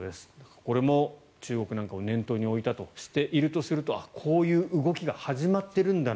これも中国なんかを念頭に置いたとしているとするとこういう動きが始まっているんだな